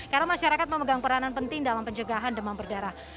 karena masyarakat memegang peranan penting dalam pencegahan demam berdarah